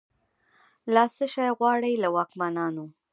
لا« څشي غواړی» له واکمنانو